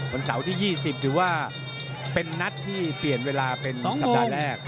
วันเสาร์ที่๒๐ถือว่าเป็นนัดที่เปลี่ยนเวลาเป็น๒สัปดาห์แรก